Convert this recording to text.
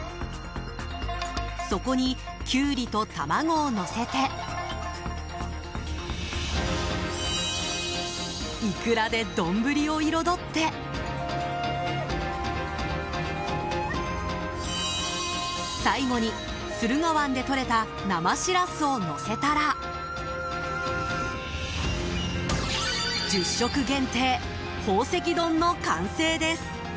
そこにキュウリと卵をのせてイクラで丼を彩って最後に駿河湾でとれた生シラスをのせたら１０食限定、宝石丼の完成です。